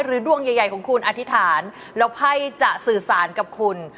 ดวงใหญ่ของคุณอธิษฐานแล้วไพ่จะสื่อสารกับคุณ